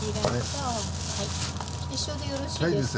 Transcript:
一緒でよろしいですか？